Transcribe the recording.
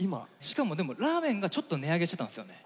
しかもでもラーメンがちょっと値上げしてたんですよね。